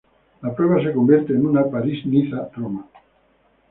La prueba se convierte en una París-Niza-Roma.